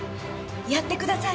やってください！